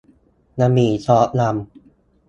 บะหมี่ซอสดำ